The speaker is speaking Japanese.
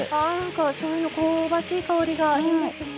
しょうゆの香ばしい香りがいいですねえ。